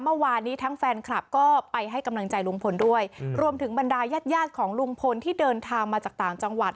เมื่อวานนี้ทั้งแฟนคลับก็ไปให้กำลังใจลุงพลด้วยรวมถึงบรรดายาดของลุงพลที่เดินทางมาจากต่างจังหวัด